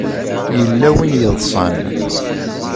Yella win yeḍsan.